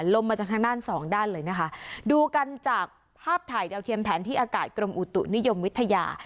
ลมมาจากทางด้านสองด้านเลยนะคะดูกันจากภาพถ่ายดาวเทียมแผนที่อากาศกรมอุตุนิยมวิทยา